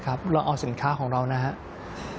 เราเอาสินค้าของเรานะครับ